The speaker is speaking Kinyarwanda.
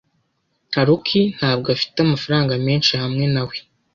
Haruki ntabwo afite amafaranga menshi hamwe na we.